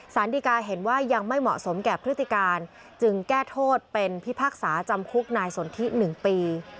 สารดีกาเห็นว่ายังไม่เหมาะสมแก่พฤติการจึงแก้โทษเป็นพิพากษาจำคุกนายสนทิ๑ปี